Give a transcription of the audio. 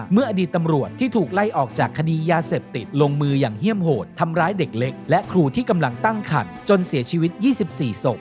อดีตตำรวจที่ถูกไล่ออกจากคดียาเสพติดลงมืออย่างเยี่ยมโหดทำร้ายเด็กเล็กและครูที่กำลังตั้งขัดจนเสียชีวิต๒๔ศพ